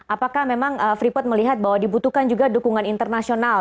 apakah memang freeport melihat bahwa dibutuhkan juga dukungan internasional